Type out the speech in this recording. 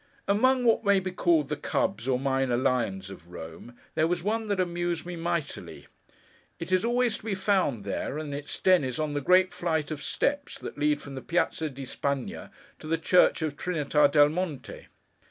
Among what may be called the Cubs or minor Lions of Rome, there was one that amused me mightily. It is always to be found there; and its den is on the great flight of steps that lead from the Piazza di Spágna, to the church of Trínita del Monte.